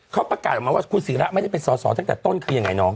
เขาประกาศออกมาว่าคุณศิระไม่ได้เป็นสอสอตั้งแต่ต้นคือยังไงน้อง